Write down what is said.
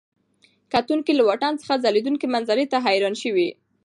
کتونکي له واټن څخه ځلېدونکي منظرې ته حیران شوي.